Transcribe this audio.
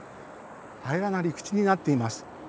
平らな陸地になっています。